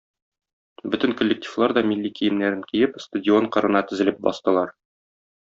Бөтен коллективлар да милли киемнәрен киеп, стадион кырына тезелеп бастылар.